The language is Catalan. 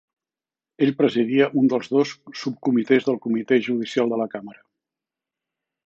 Ell presidia un dels dos subcomitès del Comitè Judicial de la Càmera.